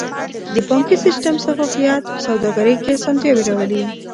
د بانکي سیستم شفافیت په سوداګرۍ کې اسانتیاوې راولي.